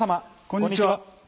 こんにちは。